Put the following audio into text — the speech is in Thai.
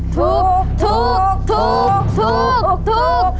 ถูก